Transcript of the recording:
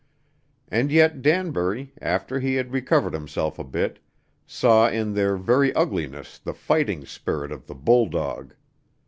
And yet Danbury, after he had recovered himself a bit, saw in their very ugliness the fighting spirit of the bulldog.